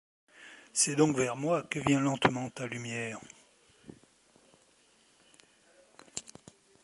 C’est donc vers moi que vient lentement ta lumière?